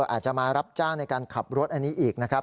อาจจะมารับจ้างในการขับรถอันนี้อีกนะครับ